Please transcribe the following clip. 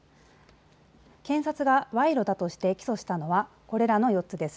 検察が賄賂だとして起訴したのはこれらの４つです。